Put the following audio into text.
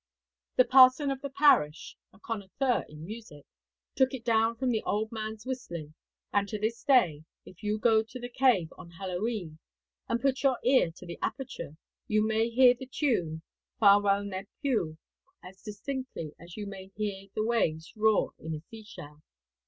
The parson of the parish a connoisseur in music took it down from the old man's whistling; and to this day, if you go to the cave on Hallow eve and put your ear to the aperture, you may hear the tune 'Ffarwel Ned Pugh' as distinctly as you may hear the waves roar in a sea shell.